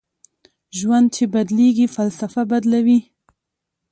ژوند چې بدلېږي فلسفه بدلوي